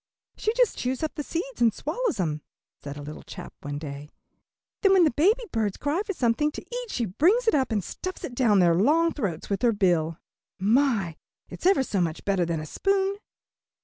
"She just chews up the seeds and swallows 'em," said a little chap one day, "then when the baby birds cry for something to eat she brings it up and stuffs it down their long throats with her bill. My! it's ever so much better than a spoon."